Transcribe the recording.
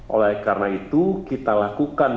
oleh karena itu kita lakukan